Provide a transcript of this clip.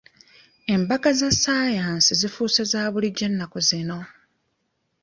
Embaga za ssaayansi zifuuse za bulijjo ennaku zino.